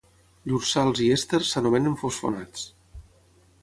Llurs sals i èsters s'anomenen fosfonats.